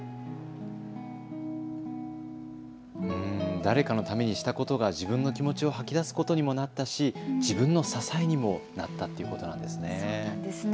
誰かのためにしたことが自分の気持ちを吐き出すことにもなったし自分の支えにもなったということなんですね。